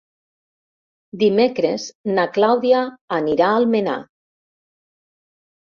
Dimecres na Clàudia anirà a Almenar.